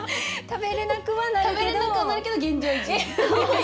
食べれなくはなるけど現状維持。